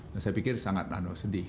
dan saya pikir sangat sedih